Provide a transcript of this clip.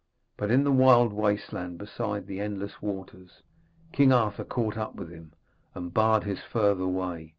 But in the wild waste land beside the Endless Waters, King Arthur caught up with him, and barred his further way.